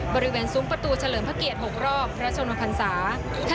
บริเวณซุ้มประตูเฉลิมพระเกียรติ๖รอบพระชนมพันศา